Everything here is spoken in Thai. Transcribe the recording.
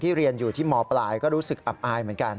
เรียนอยู่ที่มปลายก็รู้สึกอับอายเหมือนกัน